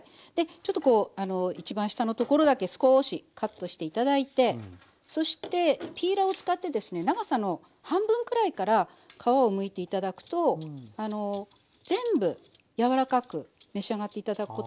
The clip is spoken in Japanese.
ちょっとこう一番下のところだけ少しカットして頂いてそしてピーラーを使ってですね長さの半分くらいから皮をむいて頂くと全部柔らかく召し上がって頂くことができるのでいいと思います。